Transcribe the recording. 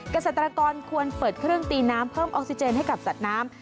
เกษตรกรควรเปิดเครื่องตีน้ำเพิ่มออกซิเจนให้กับสัตว์น้ำ